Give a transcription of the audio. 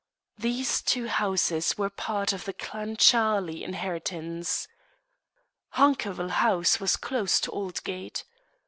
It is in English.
These two houses were part of the Clancharlie inheritance. Hunkerville House was close to Oldgate.